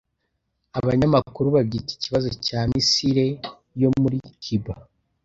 abanyamakuru babyita ikibazo cya misile yo muri cuba